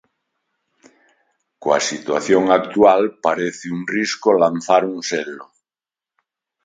Coa situación actual, parece un risco lanzar un selo.